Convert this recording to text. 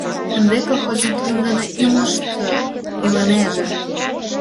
Ынде колхозник лӱм дене ӱмылыштӧ илынеже!